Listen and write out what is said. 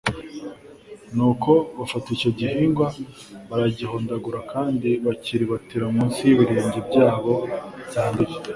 Nuko bafata icyo gihingwa baragihondagura kandi bakiribatira munsi y'ibirenge byabo byanduye,